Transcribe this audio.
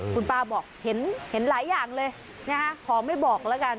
คุณป้าบอกเห็นหลายอย่างเลยนะคะขอไม่บอกแล้วกัน